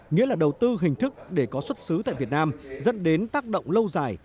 nghĩa là đầu tư hình thức để có xuất xứ tại việt nam dẫn đến tác động lâu dài